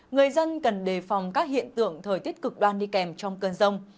người dân cần đề phòng các hiện tượng thời tiết cực đoan đi kèm trong cơn rông